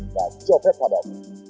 và cho phép hoạt động